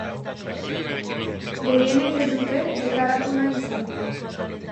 Gehienek ez dute deklaratu nahi izan.